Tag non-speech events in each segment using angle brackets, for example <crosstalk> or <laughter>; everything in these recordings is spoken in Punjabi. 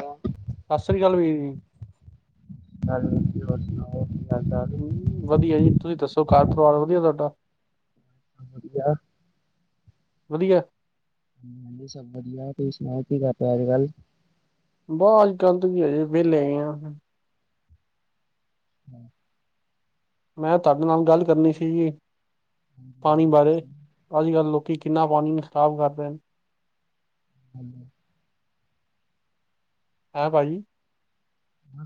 ਹਾਂ <unintelligible> ਸਸਿ ਸ੍ਰੀ ਕਾਲ ਵੀਰ ਜੀ ਹੈਲੋ, ਹੋਰ ਸੁਣਾਓ? ਹਾਲ ਚਾਲ ਵਧੀਆ ਜੀ ਤੁਸੀਂ ਦੱਸੋ ਘਰ ਪਰਿਵਾਰ ਵਧੀਆ ਤੁਹਾਡਾ। ਵਧੀਆ। ਵਧੀਆ ਹਾਂਜੀ, ਹਾਂਜੀ ਸਭ ਵਧੀਆ, ਤੁਸੀਂ ਸੁਣਾਓ ਕੀ ਕਰ ਪ ਅੱਜ ਕੱਲ? ਵਾਹ ਅੱਜ ਕੱਲ ਤੋਂ ਵੀ ਅਜੇ ਵਿਹਲੇ ਹੈਗ ਆ। ਹਮ <unintelligible> ਮੈਂ ਤੁਹਾਡੇ ਨਾਲ ਗੱਲ ਕਰਨੀ ਸੀ ਜੀ ਪਾਣੀ ਬਾਰੇ, ਅੱਜ ਕੱਲ੍ਹ ਲੋਕ ਕਿ ਕਿੰਨਾ ਪਾਣੀ ਖਰਾਬ ਕਰ ਰੇਣ। ਹਾਂਜੀ। ਹੈਂ ਭਾਜੀ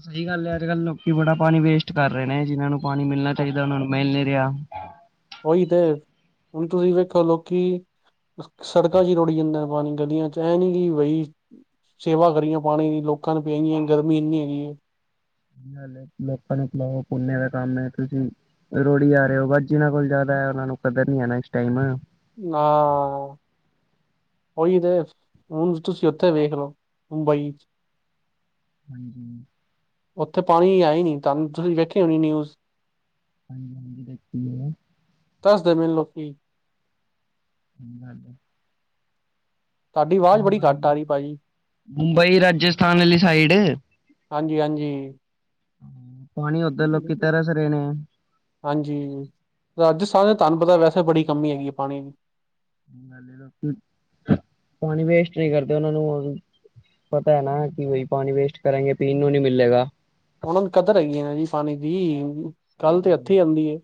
ਸਹੀ ਗੱਲ ਹੈ ਅੱਜ ਕੱਲ੍ਹ ਲੋਕੀ ਬੜਾ ਪਾਣੀ ਵੇਸਟ ਕਰ ਰਹੇ ਨੇ ਜਿਹਨਾਂ ਨੂੰ ਪਾਣੀ ਮਿਲਣਾ ਚਾਹੀਦਾ ਉਹਨਾਂ ਨੂੰ ਮਿਲ <unintelligible> ਉਹੀ ਤੇ ਹੁਣ ਤੁਸੀਂ ਵੇਖੋ ਲੋਕੀ ਸੜਕਾਂ ਚ ਹੀ ਰੋੜੀ ਜਾਂਦਾ ਪਾਣੀ ਗਲੀਆਂ ਚ ਐ ਨੀ ਕਿ ਬਈ ਸੇਵਾ ਕਰੀਏ ਪਾਣੀ ਦੀ ਲੋਕਾਂ ਨੂੰ ਪਿਆਈਏ ਗਰਮੀ ਇੰਨੀ ਹੈਗੀ ਏ। ਸਹੀ ਗਲ ਏ, ਲੋਕਾਂ ਨੂੰ ਪਿਲਾਓ ਪੂੰਨਏ ਦਾ ਕੰਮ ਏ, ਤੁਸੀਂ ਰੋੜੀ ਜਾ ਰਹੇ ਓ, ਬਸ ਜਿਹਨਾਂ ਕੋਲ ਜਿਆਦਾ ਉਹਨਾਂ ਨੂੰ ਕਦਰ ਨੀ ਐ ਇਸ ਟਾਈਮ। ਨਾਅ ਉਹੀ ਤੇ ਹੁਣ ਤੁਸੀਂ ਉੱਥੇ ਵੇਖ ਲੋ ਮੁੰਬਈ ਚ ਹਾਂਜੀ ਉੱਥੇ ਪਾਣੀ ਹੈ ਈ ਨਹੀਂ ਧਨ ਤੁਸੀਂ ਵੇਖੀ ਹੋਣੀ ਨਿਊਜ਼ ਹਾਂਜੀ ਹਾਂਜੀ ਦੇਖੀ ਏ। ਤਰਸਦੇ ਪੇਨ ਲੋਕੀਂ। <unintelligible> ਤੁਹਾਡੀ ਆਵਾਜ਼ ਬੜੀ ਘੱਟ ਆ ਮੁੰਬਈ ਰਹੀ ਭਾਜੀ ਮੁੰਬਈ ਰਾਜਸਥਾਨ ਆਲੀ ਸਾਈਡ ਹਾਂਜੀ, ਹਾਂਜੀ <inaudible> ਲੋਕੀ ਤਰਸ ਰਹੇ ਨੇ ਹਾਂਜੀ ਰਾਜਸਥਾਨ ਤੇ ਧੰਨ ਪਤਾ ਵੈਸੇ ਓਥੇ ਬੜੀ ਕਮੀ ਹੈਗੀ ਏ ਪਾਣੀ ਦੀ। ਪਾਣੀ ਵੇਸਟ ਨੀ ਕਰਦੇ ਉਹਨਾ ਨੂੰ ਪਤਾ ਹੈ ਨਾ ਕਿ ਵਹੀ ਪਾਣੀ ਵੇਸਟ ਕਰੇਗੇ ਪੀਣ ਨੂੰ ਨਹੀਂੀ ਮਿਲਲੇਗਾ ਉਹਨਾਂ ਨੂੰ ਕਦਰ ਹੈਗੀ ਨਾ ਜੀ ਪਾਣੀ ਦੀ ਸਹੀ ਕੱਲ੍ਹ ਤੇ ਗੱਲ ਏ। ਹੱਥੇ ਆਉਂਦੀ ਹੈ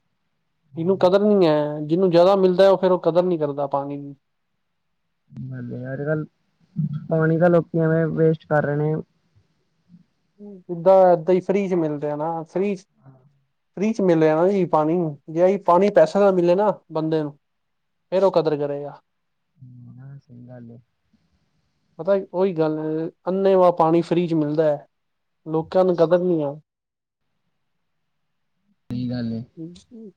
ਇਹਨੂੰ ਕਦਰ ਨਹੀਂ ਹੈ ਜਿਹਨੂੰ ਜ਼ਿਆਦਾ ਮਿਲਦਾ ਉਹ ਫੇਿਰ ਉਹ ਕਦਰ ਨਹੀਂ ਕਰਦਾ ਪਾਣੀ ਦੀ ਹਜੀ ਅਜ ਕੱਲ ਪਾਣੀ ਤਾਂ ਲੋਕੀ ਐਵੇਂ ਵੇਸਟ ਕਰ ਰਹੇ ਨੇ ਏਦਾਂ ਏਦਾਂ ਹੀ ਫ੍ਰੀ ਚ ਮਿਲਦੇ ਆ, ਨਾ ਫ੍ਰੀ ਚ ਫ੍ਰੀ ਚ ਮਿਲ ਰਿਆ ਨਾ ਜੀ, ਜੇ ਏਹੀ ਪਾਣੀ ਪੈਸੇ ਦਾ ਮਿਲੇ ਨਾ, ਬੰਦੇ ਨੂੰ ਫੇਰ ਉਹ ਕਦਰ ਕਰੇਗਾ ਹਾ ਸਹੀ ਗੱਲ ਏ ਪਤਾ ਹੈ, ਔਹੀ ਗੱਲ ਹੈ, ਅੰਨੇ ਵ ਪਾਣੀ ਫ੍ਰੀ ਚੇ ਮਿਲਦਾ ਹੈ। ਲੋਕਾਂ ਨੂੰ ਕਦਰ ਨੀ ਆ ਸਹੀ ਗੱਲ ਏ। ਹਮ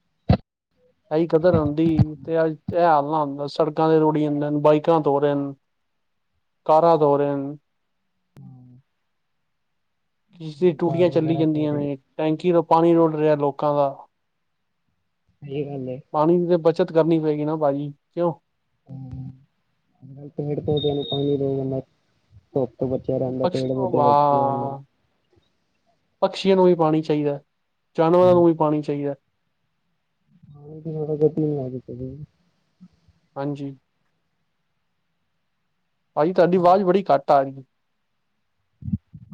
ਐਹੀ ਕਦਰ ਆਉਂਦੀ ਤੇ ਅਜ ਤੇ ਐ ਹਾਲ ਨਾ ਆਉਂ ਸੜਕਾਂ ਤੇ ਰੁੜੀ ਜਾਂਦੇ, ਬਾਈਕਾਂ ਤੋ ਰਹੇ ਹਨ, ਕਾਰਾਂ ਤੋ ਰ ਹਨ ਕਿਸ ਦੀ ਕਾਰ ਟੂਟੀਆਂ ਚੱਲੀ ਵਗੈਰਾ ਧੋ ਜਾਂਦੀਆਂ ਰਹੇ। ਨੇ, ਟੈਂਕੀ ਤੋਂ ਪਾਣੀ ਰੁੜ ਰਿਹਾ ਲੋਕਾਂ ਦਾ। ਏ ਗੱਲ ਹੈ ਪਾਣੀ ਦੀ ਤੇ ਬੱਚਤ ਕਰਨੀ ਪਏਗੀ ਨਾ ਭਾਜੀ, ਕਿਉਂ ਪੇੜ ਪੋਧਿਆ ਨੂ ਪਾਣੀ ਦੇਣਾ, ਅਲਗ ਧੂਪ ਤੋਂ ਬੱਚੇ ਰਹਿੰਦੇ, ਪਕਸ਼ ਪੇੜ ਪੋਧੇ ਬੱਚੇ ਰਹਿੰਦੇ ਨ ਵਾਹ ਪਕਸ਼ੀਆਂ ਨੂੰ ਵੀ ਪਾਣੀ ਚਾਹੀਦਾ, ਜਾਨਵਰਾਂ ਨੂੰ ਵੀ ਪਾਣੀ ਚਾਹੀਦਾ। <inaudible> ਹਾਂਜੀ ਭਾਜੀ ਤੁਹਾਡੀ ਆਵਾਜ਼ ਬੜੀ ਘੱਟ ਆ ਰਹੀ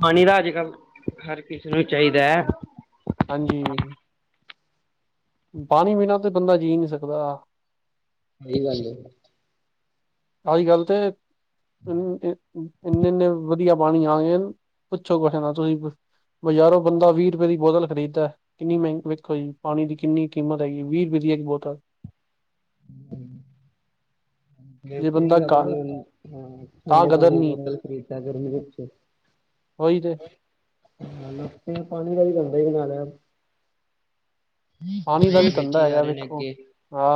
ਪਾਣੀ ਦਾ ਅੱਜ ਕੱਲ੍ਹ ਹਰ ਕਿਸੇ ਨੂੰ, ਚਾਹੀਦਾ ਹੈ ਹਾਂਜੀ ਪਾਣੀ ਬਿਨਾਂ ਤੇ ਬੰਦਾ ਜੀ ਨਹੀਂ ਸਕਦਾ ਸਹੀ ਗੱਲ ਏ ਅਜ ਗੱਲ ਤੇ ਇੰਨੇ ਇੰਨੇ ਵਧੀਆ ਪਾਣੀ ਆ ਗਏ ਪੁੱਛੋ ਕੁੇ ਨਾਲ ਤੁਸੀਂ ਬਾਜ਼ਾਰੋਂ ਬੰਦਾ ਵੀਹ ਰੁਪਏ ਦੀ ਬੋਤਲ ਖਰੀਦਦਾ, ਕਿੰਨੀ ਮਹਿਗੀ ਵੇਖੋ ਜੀ, ਪਾਣੀ ਦੀ ਕਿੰਨੀ ਕੀਮਤ ਹੈਗੀ, ਵੀਹ ਰੁਪਏ ਦੀ। ਇੱਕ ਬੋਤਲ ਜੇ ਫ੍ਰੀ ਬੰਦਾ ਦਾ ਘਰ ਪਾਣੀ ਔਨੂ, ਤਾਂ ਠੰਡੇ ਪਾਣੀ ਦੀ ਬੋਤਲ ਖਰੀਦਦਾ ਗਰਮੀ ਵਿੱਚ ਔ ਹੀ ਤੇ ਨ ਪਾਣੀ ਦਾ ਵੀ ਜਾਂਦਾ ਹੀ ਕਿ ਨਾਲਿਆ ਪਾਣੀ ਦਾ ਵੀ ਧੰਦਾ ਵੇਚੀ ਜਾ ਹੈਗਾ ਰਹੇ ਨੇ ਵੇਖੋ, ਅੱਗੇ ਹਾਂ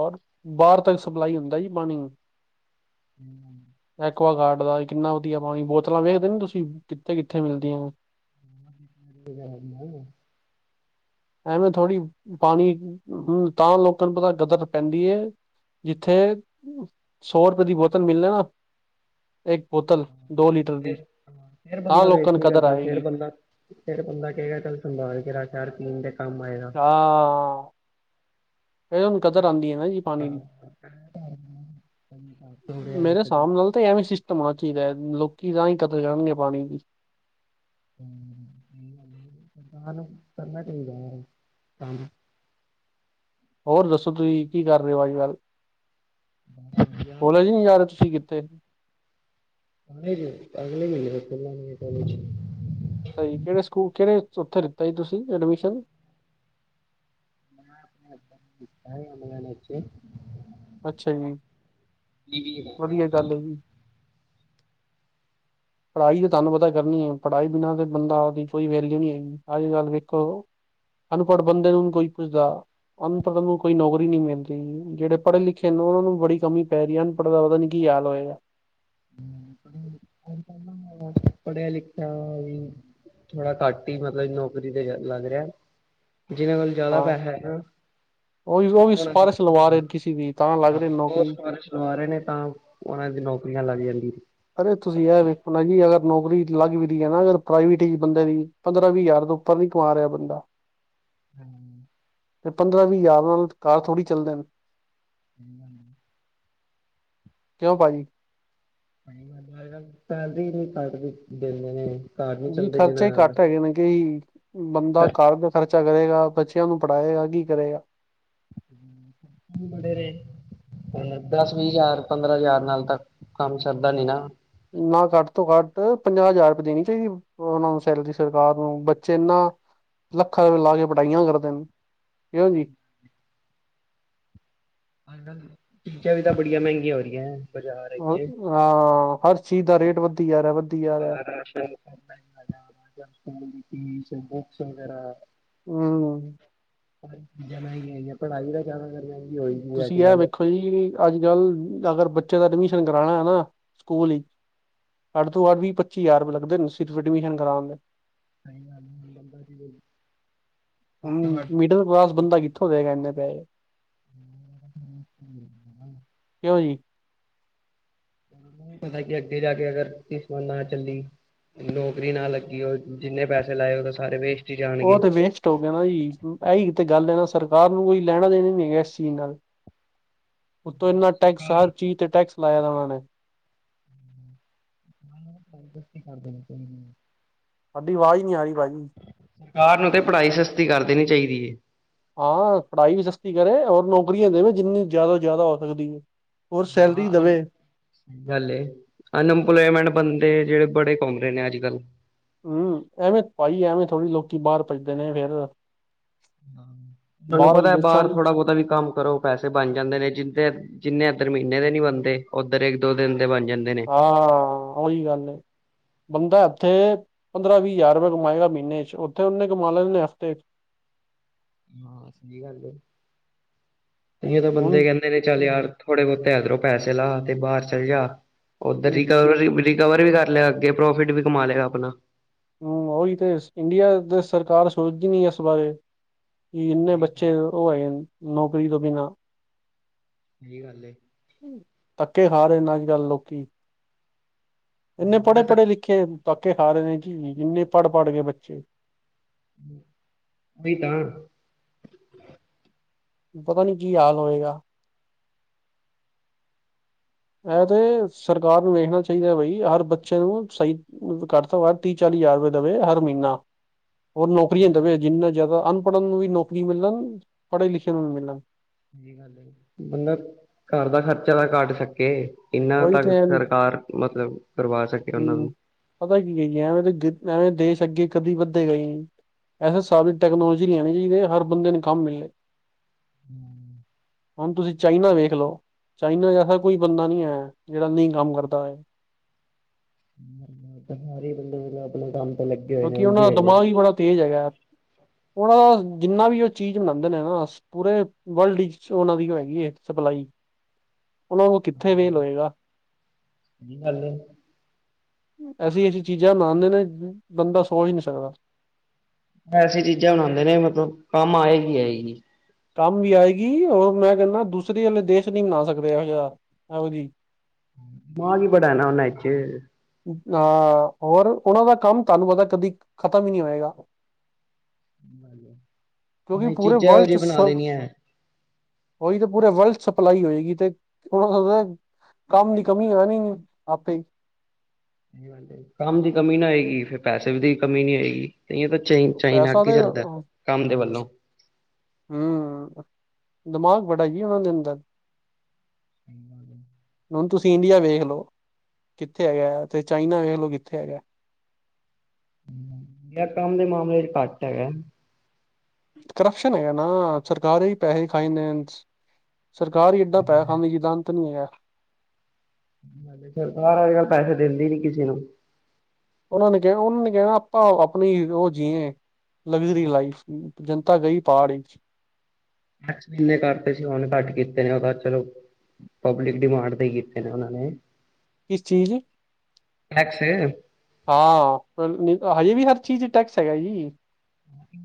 ਔਰ ਬਾਹਰ ਤੱਕ, ਸਪਲਾਈ ਹੁੰਦਾ ਜੀ ਪਾਣੀ ਹਮ <unintelligible> ਐਕਵਾਗਾਡ ਦਾ ਕਿੰਨਾ ਵਧੀਆ ਪਾਣੀ, ਬੋਤਲਾਂ ਵੇਖਦੇ ਨ ਤੁਸੀਂ ਕਿੱਥੇ ਕਿੱਥੇ ਮਿਲਦੀਆਂ ਐ। <inaudible> ਐਵੇਂ ਥੋੜ੍ਹੀ ਪਾਣੀ, ਹਾ ਤਾਂ ਲੋਕਾਂ ਨੂੰ ਪਤਾ ਕਦਰ ਪੈਂਦੀ ਹੈ ਜਿੱਥੇ ਸੌ ਰੁਪਏ ਦੀ ਬੋਤਲ ਮਿਲੇ ਨਾ ਇੱਕ ਬੋਤਲ ਡੋਲੀ ਫਿਰ ਫਿਰ ਬੰਦਾ ਵੇਸਟ ਨੀ ਕਰਦਾ, ਫਿਰ ਆਏਗੀ ਬੰਦਾ ਫਿਰ ਬੰਦਾ ਕਹੇਗਾ ਚੱਲ ਸੰਭਾਲ ਕੇ ਰੱਖ। ਯਾਰ ਪੀਣ ਦੇ ਕੰਮ ਆਏਗਾ ਆਹ ਇਹ ਹੂੰ ਕਦਰ ਆਉਂਦੀ ਹੈ ਨਾ ਜੀ, ਪਾਣੀ ਦੀ ਕਦੀ ਹੋ ਰਿਹਾ ਮੇਰੇ ਕਦੀ ਹਿਸਾਬ ਨਾਲ ਤਾਂ, ਐਵੇਂ ਸਿਸਟਮ ਆਜ ਕੀ ਦਾ, ਲੋਕੀ ਤਾਂ ਹੀ ਕਦਰ ਕਰਨਗੇ ਪਾਣੀ ਦੀ ਹਾਨੂੰ ਕਰਨਾ ਚਾਹੀਦਾ ਹੈ ਤੁਹਾਨੂੰ ਹੋਰ ਦੱਸੋ, ਤੁਸੀਂ ਕੀ ਕਰ ਰਹੇ ਹੋ ਅਜ ਗੱਲ ਹ ਹੋਲੇ ਜੀ ਨਹੀਂ ਜਾ ਰਿਹੇ ਤੁਸੀਂ ਕਿੱਥੇ ਨਹੀ ਜੀ, ਅਗਲੇ ਮਹੀਨੇ ਖੁਲਣਗੇ ਕਾਲੇਜ ਜੀ ਕਿਹੜੇ ਸਕੂਲ ਕਿਹੜੇ ਉੱਥੇ ਲਿਤਾ ਸੀ, ਤੁਸੀ ਐਡਮਿਸ਼ਨ ਮੈਂ ਆਪਣੇ ਵੇਚੇ ਅੱਛਾ ਜੀ, ਵਧੀਆ ਗੱਲ ਹੈ ਜੀ ਪੜ੍ਹਾਈ ਤੇ ਤੁਹਾਨੂੰ ਪਤਾ ਕਰਨੀ ਹੈ। ਪੜ੍ਹਾਈ ਬਿਨਾਂ ਬੰਦਾ ਦੀ ਕੋਈ ਵੈਲਿਊ ਨਹੀਂ ਹੈਗੀ। ਅੱਜ-ਕੱਲ ਵੇਖੋ ਅਨਪੜ੍ਹ ਬੰਦੇ ਨੂੰ ਕੋਈ ਪੁੱਛਦਾ, ਅਨਪੜ੍ਹ ਨੂੰ ਕੋਈ ਨੌਕਰੀ ਨਹੀਂ ਮਿਲਦੀ। ਜਿਹੜੇ ਪੜ੍ਹੇ-ਲਿਖੇ ਨੂੰ ਉਹਨਾਂ ਨੂੰ, ਬੜੀ ਕਮੀ ਪੈ ਰਹੀ ਹੈ, ਅਨਪੜ੍ਹ ਦਾ ਪਤਾ ਨੀ ਕੀ ਹਾਲ ਹੋਏਗਾ। ਪੜਿਆ ਲਿਖਿਆ ਵੀ ਥੋੜਾ ਘੱਟ ਹੀ ਮਤਲਬ ਨੌਕਰੀ ਤੇ, ਲੱਗ ਰਿਹਾ‌। ਜਿਹਨਾਂ ਕੋਲ ਜ਼ਿਆਦਾ ਪੈਹਾ ਹੈ, ਨਾ ਉਹੀ-ਉਹੀ ਵੀ ਸਿਫਾਰਸ਼ ਲਵਾ ਰਹੇ ਕਿਸੇ ਦੀ, ਤਾਂ ਲੱਗ ਰਹੇ ਨੌਕਰੀ। ਪੜੇ ਨੇ ਤਾਂ, ਉਹਨਾਂ ਦੀ ਨੌਕਰੀਆਂ ਲੱਗ ਜਾਂਦੀ। ਅਰੇ, ਤੁਸੀਂ ਯਾਰ ਵੇਖਣਾ ਆ ਜੀ ਨੌਕਰੀ ਲੱਗ ਵੀ ਗਈ ਹੈ ਨਾ ਅਗਰ ਪ੍ਰਾਈਵੇਟ ਹੀ ਬੰਦੇ ਦੀ, ਪੰਦਰਾਂ, ਵੀਹ ਹਜ਼ਾਰ ਤੋਂ, ਉੱਪਰ ਨੀ ਕਮਾ ਰਿਹਾ ਬੰਦਾ। <inaudible> ਹੂੰ ਤੇ, ਪੰਦਰਾਂ-ਵੀਹ ਹਜ਼ਾਰ ਨਾਲ, ਘਰ ਥੋੜ੍ਹੀ ਚੱਲਦੇਨ। ਹੂ ਕਿਉਂ ਭਾਈ? ਸਹੀ ਸੈਲਰੀ ਵੀ ਘੱਟ ਦਿੰਦੇ ਨੇ, ਘਰ ਨੀ ਜੀ ਚੱਲਦੇ ਖਰਚੇ ਜਿਨ੍ਹਾਂ ਹੀ ਨਾਲ। ਘੱਟ ਹੈਗੇ ਨੇ ਕਿ ਬੰਦਾ ਘਰ ਦਾ ਖ਼ਰਚਾ ਕਰੇਗਾ, ਬੱਚਿਆਂ ਨੂੰ ਪੜ੍ਹਾਏਗਾ, ਕੀ ਕਰੇਗਾ। ਵਧੇਰੇ ਦਸ-ਵੀਹ ਹਜ਼ਾਰ, ਪੰਦਰਾਂ ਹਜ਼ਾਰ, ਨਾਲ ਤਾਂ ਕੰਮ ਸਰਦਾ ਤਾ ਨਹੀਂ, ਨਾ। ਨਾ, ਘੱਟ ਤੋਂ ਘੱਟ ਪੰਜਾਹ ਹਜ਼ਾਰ ਰੁਪਏ ਦੇਣੀ ਚਾਹੀਦੀ। ਉਹਨਾਂ ਨੂੰ ਸੈਲਰੀ ਸਰਕਾਰ ਨੂੰ ਬੱਚੇ ਇਨਾਂ ਲੱਖਾਂ ਰੁਪਏ, ਲਾਕੇ ਪੜ੍ਹਾਹੀਆਂ ਕਰਦੇਨ। ਹਾਂ। <unintelligible> ਹਾਂਜੀ, ਸਰ ਚੀਜ਼ਾਂ ਵੀ ਤਾਂ, ਬੜੀਆਂ ਮਹਿੰਗੀਆਂ ਹੋ ਰਹੀਆਂ। ਬਾਜ਼ਾਰ ਹਾਂ। ਵਿੱਚ ਹਰ ਚੀਜ਼ ਦਾ ਰੇਟ ਵੱਥੀ ਜਾਰਿਆ ਵ ਸਕੂਲ ਫੀਸ, ਬੁਕਸ ਵਗੈਰਾ ਹੂੰ ਜਮਾ ਹੀ ਨਹੀਂ ਹੇਗੀ, ਪੜ੍ਹਾਈ ਦਾ ਜਾਿਆਦਾ ਤੁਸੀਂ ਐ ਵੇਖੋ ਜੀ, ਅੱਜ-ਕੱਲ੍ਹ ਅਗਰ ਬੱਚੇ ਦਾ ਐਡਮਿਸ਼ਨ ਕਰਾਣਾ ਹੈ, ਨਾ ਸਕੂਲ ਹੀ ਘੱਟ ਤੋਂ ਘੱਟ ਵੀਹ, ਪੱਚੀ ਹਜ਼ਾਰ ਰੁਪਏ ਲੱਗਦੇ, ਸਿਰਫ ਐਡਮਿਸ਼ਨ ਕਰਾਣ ਦੇ। ਟਾਈਮ ਨਾਲ ਵੀ ਮਿਲ ਲੈਂਦਾ ਸੀ, ਉਹ ਹੂੰ, ਮਿਡਲ ਕਲਾਸ ਬੰਦਾ ਕਿੱਥੋਂ ਦੇਗਾ ਇੰਨੇ ਪੈਹੇ। ਹ <unintelligible> ਕਿਉਂ ਜੀ ਪਤਾ ਕਿ ਅੱਗੇ ਜਾਕੇ ਅਗਰ ਕਿਸਮਤ ਨਾ ਚੱਲੀ ਨੌਕਰੀ ਨਾ ਲੱਗੀ, ਉਹ ਜਿੰਨੇ ਪੈਸੇ ਲਾਏ ਉਹ ਤਾਂ ਸਾਰੇ ਵੇਸਟ ਹੀ ਉਹ ਜਾਣਗੇ। ਤੇ, ਵੇਸਟ ਹੋ ਗਇਆ ਨੇ, ਜੀ ਆਹੀ ਗੱਲ ਦਾ ਸਰਕਾਰ ਨੂੰ, ਕੋਈ ਲੈਣਾ- ਦੇਣਾ ਨੀ ਹੈਗਾ ਇਸ ਚੀਜ਼ ਨਾਲ। ਉਤੋਂ ਇਨਾ ਟੈਕਸ ਹਰ ਚੀਜ਼ ਤੇ, ਟੈਕਸ ਲਾਇਆ ਉਹਨਾਂ ਨੇ। ਕਰਦੇ ਨੇ ਕੋਈ ਆਵਾਜ਼ ਨਹੀ ਆ ਰਹੀ ਭਾਜੀ। ਸਰਕਾਰ ਨੂੰ ਤੇ, ਪੜ੍ਹਾਈ ਸਸਤੀ ਕਰ ਦੇਣੀ ਚਾਹੀਦੀ ਏ। ਹਾਂ ਪੜ੍ਹਾਈ ਵੀ ਸਸਤੀ ਕਰੇ ਔਰ ਨੌਕਰੀਆਂ ਦੇਵੇ ਜਿੰਨੀ ਜ਼ਿਆਦਾ ਤ ਜ਼ਿਆਦਾ ਹੋ ਸਕਦੀ ਹੈ। ਔਰ ਸੈਲਰੀ ਹਾਂ, ਦੇਵੇ ਅਨਐੰਪਲੋਇਮੈਂਟ ਬੰਦੇ ਜਿਹੜੇ ਬੜੇ ਘੁੰਮਦੇ ਨੇ ਅੱਜ-ਕੱਲ ਹੂੰ, ਐਵੇਂ ਪਾਈ ਐਵੇਂ ਥੋੜ੍ਹੀ ਲੋਕੀ ਬਾਹਰ ਭੱਜਦੇ ਨੇ, ਫਿਰ ਤੁਹਾਨੂੰ ਪਤਾ ਹੈ, ਬਾਹਰ ਚ ਥੋੜਾ ਬਹੁਤਾ ਵੀ ਕੰਮ ਕਰੋ ਪੈਸੇ ਬਣ ਜਾਂਦੇ ਨੇ। ਜਿੱਦੇ ਜਿੰਨੇ ਇੱਧਰ ਮਹੀਨੇ ਦੇ ਨੀ ਬਨਦੇ, ਉੱਧਰ ਇੱਕ- ਦੋ ਦਿਨ ਦੇ ਬਣ ਜਾਂਦੇ ਨੇ। ਹਾਂ, ਉਹੀ ਗੱਲ ਏ, ਬੰਦਾ ਉੱਥੇ ਪੰਦਰਾਂ- ਵੀਹ ਹਜ਼ਾਰ ਰੁਪਏ ਕਮਾਏਗਾ ਮਹੀਨੇ'ਚ ਉੱਥੇ ਉਹਨੇ ਕਮਾ ਲੈਂਨੇ ਹਫ਼ਤੇ ਹਾਂ ਸਹੀ ਗੱਲ ਇ ਤਾਂ ਬੰਦੇ ਹੁਣ ਕਹਿੰਦੇ ਨੇ ਚੱਲ ਯਾਰ ਥੋੜੇ ਬਹੁਤੇ ਤੇ ਅਗਰੋਂ ਪੈਸੇ ਲਾ ਤੇ ਬਾਹਰ ਚਲ ਜਾ ਉੱਧਰ ਹਮ ਰਿਕਵਰ ਰਿਕਵਰ ਵੀ ਕਰ ਲਿਆ ਅੱਗੇ ਪ੍ਰੋਫਿਟ ਵੀ ਕਮਾ ਲਏਗਾ ਆਪਣਾ ਹਮ ਉਹੀ ਤੇ ਇੰਡੀਆ ਦੇ ਸਰਕਾਰ ਸੋਚਦੀ ਨੀ ਇਸ ਬਾਰੇ ਕਿ ਇੰਨੇ ਸਹੀ ਗੱਲ ਬੱਚੇ ਉਹ ਆਏ ਨੌਕਰੀ ਤੋਂ ਬਿਨਾਂ ਇਹੀ ਗੱਲ ਏ ਧੱਕੇ ਖਾ ਰਹੇ ਨੇ ਅੱਜ ਕੱਲ੍ਹ ਲੋਕੀ ਇੰਨੇ ਪੜ੍ਹੇ ਬੜੇ ਤੱਕ ਪੜ੍ਹੇ ਲਿਖੇ ਪਾਕੇ ਹਾਰੇ ਨੇ ਕਿ ਇੰਨੇ ਪੜ੍ਹ ਪੜ੍ਹ ਗਏ ਬੱਚੇ ਨਹੀਂ ਤਾਂ ਪਤਾ ਨੀ ਜੀ ਹਾਲ ਹੋਏਗਾ ਅ ਤੇ ਸਰਕਾਰ ਨੂੰ ਵੇਖਣਾ ਚਾਹੀਦਾ ਬਈ ਹਰ ਬੱਚੇ ਨੂੰ ਸਹੀ ਘ ਤੋਂ ਤੀਹ ਚਾਲੀ ਹਜ਼ਾਰ ਰੁਪਏ ਦੇਵੇ ਹਰ ਮਹੀਨਾ <inaudible> ਹੋਰ ਨੌਕਰੀਆਂ ਦੇਵੇ ਜਿੰਨਾ ਜ਼ਿਆਦਾ ਅਨਪੜ੍ਹਨ ਨੂੰ ਵੀ ਨੌਕਰੀ ਮਿਲਣ ਪੜ੍ਹੇ ਲਿਖੇ ਨੂੰ ਵੀ ਮਿਲਣ ਗੱਲ ਬੰਲਬ ਘਰ ਦਾ ਖਰਚਾ ਤਾਂ ਕੱਟ ਸਕੇ ਇਨਾਂ ਉਹੀ ਤੱਕ ਸਰਕਾਰ ਮਤਲਬ ਕਰਵਾ ਸਕੇ ਉਹਨਾਂ ਹਮ ਨੂੰ। ਪਤਾ ਕੀ ਹੈ ਐਵੇਂ ਐਵੇਂ ਦੇਸ਼ ਅੱਗੇ ਕਦੀ ਵੱਧੇ ਗਏ ਇਸੇ ਹਿਸਾਬ ਦੀ ਟੈਕਨੋਲੋਜੀ ਨਹੀਂ ਆਉਣੀ ਚਾਹੀਦੀ ਹਰ ਬੰਦੇ ਨੂੰ ਕੰਮ ਮਿਲੇ ਹਮ ਹੁਣ ਤੁਸੀਂ ਚਾਈਨਾ ਵੇਖ ਲਓ ਚਾਈਨਾ ਐਸਾ ਕੋਈ ਬੰਦਾ ਨਹੀਂ ਆਆ ਜਿਹੜਾ ਨਹੀਂ ਕੰਮ ਕਰਦਾ ਹੈ <inaudible> ਸਾਰੇ ਬੰਦੇ ਮਤਲਬ ਆਪਣੇ ਕੰਮ ਤੇ ਲੱਗੇ ਹੋਏ ਨੇ ਕਿਉਂਕਿ ਉਹਨਾਂ ਉਲਝੇ ਦਾ ਹੋਏ ਨੇ। ਦਿਮਾਗ ਹੀ ਬੜਾ ਤੇਜ਼ ਹੈਗਾ ਯ ਉਹ ਦਾ ਜਿੰਨਾ ਵੀ ਉਹ ਚੀਜ਼ ਬਨਾਦੇ ਨੇ ਨਾ ਪੂਰੇ ਵਰਲਡ ਵਿੱਚ ਉਹਨਾਂ ਦੀ ਹੈਗੀ ਹੈ ਸਪਲਾਈ ਉਹਲ ਉਹ ਕਿੱਥੇ ਵੇ ਲੋਏਗਾ ਕੀ ਗੱਲ ਐਸੀ ਐਸੀ ਚੀਜ਼ਾਂ ਮਨਦੇ ਨੇ ਬੰਦਾ ਸੋਚ ਨਹੀਂ ਸਕਦਾ ਐਸ ਚੀਜ਼ਾਂ ਬਣਾਉਂਦੇ ਨੇ ਮਤਲਬ ਕੰਮ ਆਏਗੀ ਹੈ ਜੀ ਕੰਮ ਵੀ ਆਏਗੀ ਰ ਮੈਂ ਕਹਿੰਦਾ ਦੂਸਰੇ ਵਾਲੇ ਦੇਸ਼ ਨਹੀਂ ਮਨਾ ਸਕਦੇ ਇਹ ਯਾਰ ਇਹੋ ਜਹੀ <inaudible> ਅਹ ਹੋਰ ਉਹਨਾਂ ਦਾ ਕੰਮ ਤੁਹਾਨੂੰ ਪਤਾ ਕਦੀ ਖਤਮ ਹੀ ਨਹੀਂ ਹੋਏਗਾ ਕਿਉਂਕਿ ਹ ਚੀਜ਼ਾਂ ਉਹ ਜਹੀ ਬਣਾ ਦੇਣੀ ਹੈ ਉਹੀ ਤਾਂ ਪੂਰੇ ਵਰਲਡ ਸਪਲਾਈ ਹੋਏਗੀ ਤੇ ਹਣ ਕੰਮ ਦੀ ਕਮੀ ਆਣੀ ਆਪੇ ਕੰਮ ਦੀ ਕਮੀ ਨਾ ਆਏਗੀ ਫਿਰ ਪੈਸੇ ਦੀ ਕਮੀ ਨਹੀਂ ਆਏਗੀ ਕ ਤਾਂ ਚਨ ਚਾਈਨ ਪੈਸਾ ਅੱਗ ਤੇ ਹੀ ਚੱਲਦਾ ਕੰਮ ਦੇ ਵੱਲੋਂ ਹਮ ਦਿਮਾਗ ਬੜਾ ਹੀ ਉਹਨਾਂ ਦੇ ਅੰਦਰ ਹ ਹੁਣ ਤੁਸੀਂ ਇੰਡੀਆ ਵੇਖ ਲਓ ਕਿੱਥੇ ਹੈਗਾ ਆ ਤੇ ਚਾਈਨਾ ਵੇਖ ਲਓ ਕਿੱਥੇ ਹੈਗਾ ਕੰਮ ਦੇ ਮਾਮਲੇ ਚ ਘੱਟ ਹੈਗਾ ਕਰਪਸ਼ਨ ਹੈਗਾ ਨਾ ਸਰਕਾਰੀ ਪੈਸੇ ਫਾਈਨਸ ਸਰਕਾਰ ਹੀ ਏਡਾ ਪੈ ਖਾਨੀ ਜੀਦਾਂ ਅੰਤ ਨਹੀਂ ਹੈਗਾ ਫਿਰ ਬਰ ਅਜ ਕੱਲ ਪੈਸੇ ਦਿੰਦੀ ਨੀ ਕਿਸੇ ਨੂੰ ਉਹਨਾਂ ਨੇ ਕਿਹਾ ਉਹਨਾਂ ਨੇ ਕਹਿਣਾ ਆਪਾਂ ਆਪਣੀ ਉਹ ਜੀਏ ਲਗਜ਼ਰੀ ਲਾਈਫ ਜਨਤਾ ਗਈ ਪਹਾੜ ਟੈਕਸ ਇੰਨੇ ਕਰਤੇ ਸੀ ਉਹਨੇ ਘੱਟ ਕੀਤੇ ਨੇ ਉਹਦਾ ਚਲੋ ਪਬਲਿਕ ਡਡੀਮਾਰਡਦਾ ਕਿਤੇ ਨੇ ਉਹਨਾਂ ਨੇ ਕਿਸ ਚੀਜ਼ ਕਸ ਹਾਂ ਹਜੇ ਵੀ ਹਰ ਚੀਜ਼ ਟੈਕਸ ਹੈਗਾ ਜੀ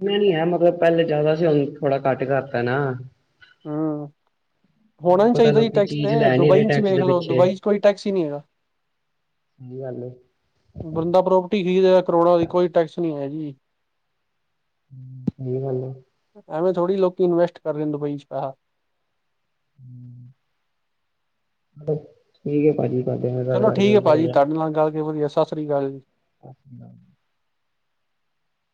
ਇਹਨਾ ਨੀ ਹੈ ਮਤਲਬ ਪਹਿਲੇ ਜ਼ਿਆਦਾ ਸੀ ਥੋੜਾ ਘੱਟ ਕਰਤਾ ਨਾ ਹਾਂ। ਹੋਣਾ ਨਹੀਂ ਨੀ ਪਤਾ ਚਾਹੀਦਾ ਜੀ ਲੋਕੀ ਟੈਕਸ ਚੀਜ਼ ਤੇ ਲੈ ਨੀ ਰਹੇ ਦੁਬਈ ਚ ਟੈਕਸ ਵੇਖ ਦੇ ਲਓ ਦੁਬਈ ਚ ਕੋਈ ਟੈਕਸ ਹੀ ਨਹੀਂ ਹੈਗਾ। ਸਗੀ ਗੱਲ ਏ। ਬੰਦਾ ਪ੍ਰੋਪਰਟੀ ਖਰੀਦ ਰਿਹਾ ਕਰੋੜਾਂ ਦੀ ਕੋਈ ਟੈਕਸ ਨਹੀਂ ਹੈ ਜੀ। ਸਹੀ ਗੱਲ ਆ। ਥੋੜੀ ਲੋਕ ਇਨਵੈਸਟ ਕਰ ਰਹੇ ਦੁਬਈ ਚ ਪ <inaudible> ਠੀਕ ਹੈ ਭਾਜੀ। ਤੁਹਾਡੇ ਨਾਲ ਗੱਲ ਚਲੋ ਕਰਕੇ ਠੀਕ ਹੈ ਵਧੀਆ ਭਾਜੀ ਲੱਗਾ। ਤੁਹਾਡੇ ਨਾਲ ਗੱਲ ਕਰਕੇ ਕੇ ਵਧੀਆ ਸਤਿ ਸ਼੍ਰੀ ਅਕਾਲ ਜੀ। <unintelligible>